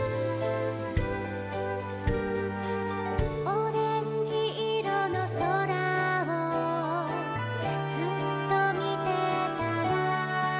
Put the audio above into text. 「オレンジいろのそらをずっとみてたら」